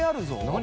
何？